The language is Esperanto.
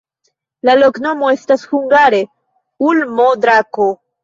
La loknomo estas hungare: ulmo-drako.